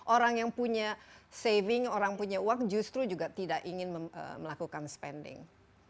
orang yang punya saving orang punya uang justru juga tidak ingin melakukan spending